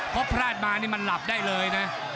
เพราะพลาดมานี่มันหลับได้เลยนะ